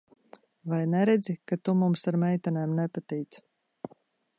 Vai neredzi, ka tu mums ar meitenēm nepatīc?